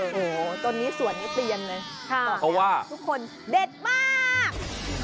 โหตอนนี้สวอนิทย์เปลี่ยนเลยครับเพราะว่าทุกคนเด่นมาก